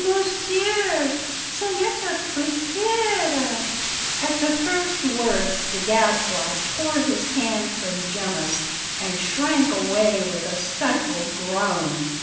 Monsieur, ce n'est que pour rire!" At the first words the Gadfly tore his hand from Gemma's and shrank away with a stifled groan.